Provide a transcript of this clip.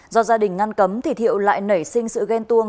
do gia đình ngăn cấm thì thiệu lại nảy sinh sự ghen tuông